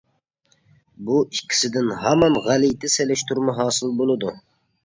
بۇ ئىككىسىدىن ھامان غەلىتە سېلىشتۇرما ھاسىل بولىدۇ.